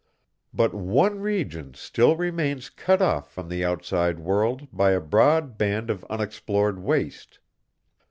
"But one region still remains cut off from the outside world by a broad band of unexplored waste.